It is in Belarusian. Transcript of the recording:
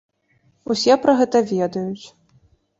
Усе пра гэта ведаюць.